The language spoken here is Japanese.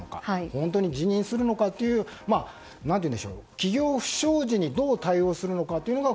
本当に辞任するのか企業不祥事にどう対応するのかが